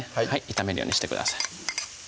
炒めるようにしてください